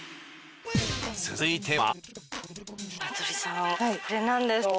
続いては。